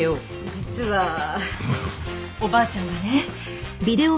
実はおばあちゃんがね。